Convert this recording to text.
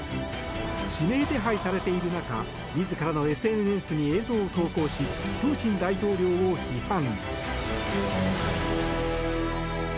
指名手配されている中自らのＳＮＳに映像を投稿しプーチン大統領を批判。